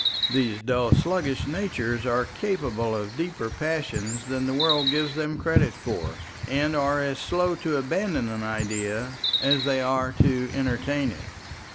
These dull sluggish natures are capable of deeper passions than the world gives them credit for; and are as slow to abandon an idea as they are to entertain it.